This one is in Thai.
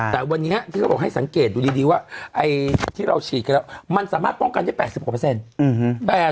แต่วันนี้ที่เขาบอกให้สังเกตดูดีว่าไอ้ที่เราฉีดกันแล้วมันสามารถป้องกันได้๘๐กว่าเปอร์เซ็นต์